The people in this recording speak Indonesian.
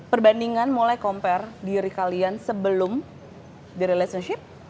perbandingan mulai compare diri kalian sebelum di relationship